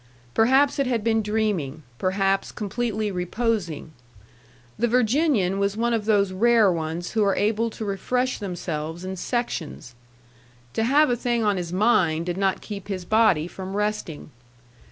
Perhaps it had been dreaming; perhaps completely reposing. The Virginian was one of those rare ones who are able to refresh themselves in sections. To have a thing on his mind did not keep his body from resting.